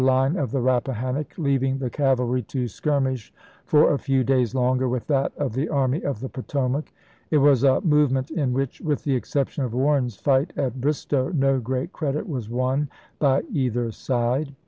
line of the Rappahannock, leaving the cavalry to skirmish for a few days longer with that of the Army of the Potomac. It was a movement in which, with the exception of Warren's fight at Bristoe, no great credit was won by either side.